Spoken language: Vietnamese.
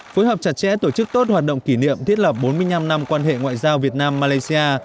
phối hợp chặt chẽ tổ chức tốt hoạt động kỷ niệm thiết lập bốn mươi năm năm quan hệ ngoại giao việt nam malaysia